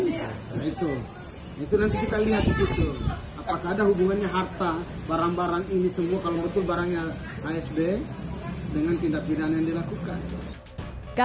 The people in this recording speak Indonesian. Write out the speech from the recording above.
nah itu itu nanti kita lihat betul apakah ada hubungannya harta barang barang ini semua kalau betul barangnya asb dengan tindak pidana yang dilakukan